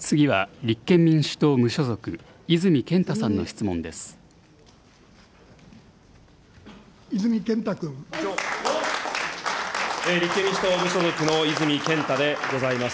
立憲民主党・無所属の泉健太でございます。